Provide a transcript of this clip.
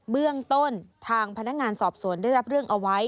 เบื้องต้นทางพนักงานสอบสวนได้รับเรื่องเอาไว้